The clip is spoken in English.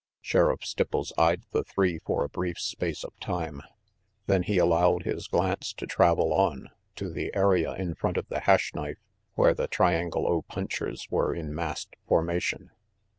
Sheriff Stipples eyed the three for a brief space of time; then he allowed his glance to travel on, to the area in front of the Hash Knife where the Triangle O punchers were in massed formation.